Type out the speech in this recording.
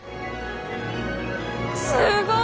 すごい！